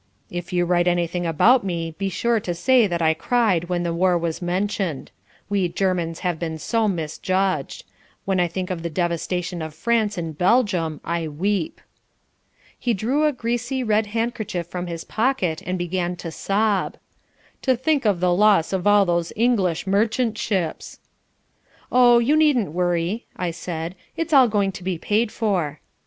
If you write anything about me be sure to say that I cried when the war was mentioned. We Germans have been so misjudged. When I think of the devastation of France and Belgium I weep." He drew a greasy, red handkerchief from his pocket and began to sob. "To think of the loss of all those English merchant ships!" "Oh, you needn't worry," I said, "it's all going to be paid for."